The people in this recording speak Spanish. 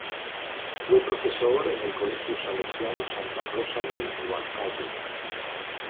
Fue profesor en el Colegio Salesiano Santa Rosa de Huancayo.